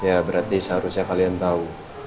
ya berarti seharusnya kalian tahu